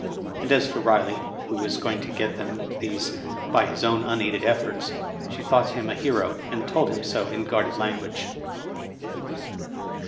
And as for Riley, who was going to get them these by his own unaided efforts, she thought him a hero, and told him so in guarded lan guage.